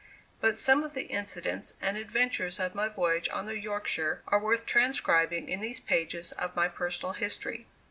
But some of the incidents and adventures of my voyage on the "Yorkshire" are worth transcribing in these pages of my personal history.